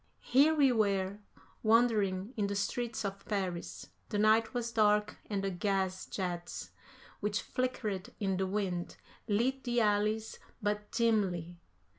Here we were, wandering in the streets of Paris; the night was dark and the gas jets, which flickered in the wind, lit the alleys but dimly.